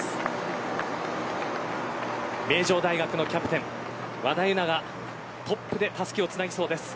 名城大学のキャプテン和田がトップでたすきをつなぎそうです。